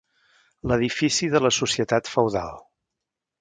L'edifici de la societat feudal.